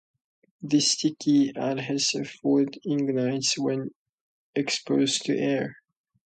This sticky, adhesive fluid ignites when exposed to air.